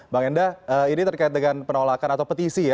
bang enda ini terkait dengan penolakan atau petisi ya